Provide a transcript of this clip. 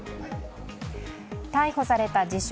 逮捕された自称